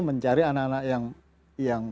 mencari anak anak yang